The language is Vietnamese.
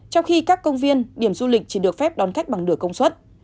trong khi các công viên điểm du lịch chỉ được phép đón khách bằng nửa công suất